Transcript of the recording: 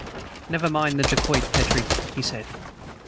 "Never mind the dacoit, Petrie," he said.